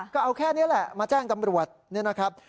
ก็เอาแค่นี้แหละมาแจ้งตำรวจเนี่ยนะครับ